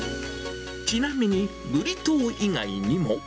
ちなみに、ブリトー以外にも。